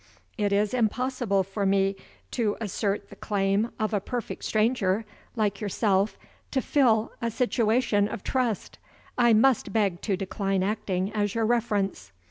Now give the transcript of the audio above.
It is impossible for me to assert the claim of a perfect stranger, like yourself, to fill a situation of trust. I must beg to decline acting as your reference.